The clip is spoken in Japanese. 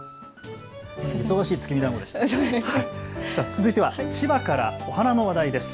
続いては千葉からお花の話題です。